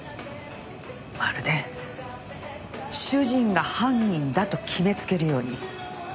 まるで主人が犯人だと決めつけるように。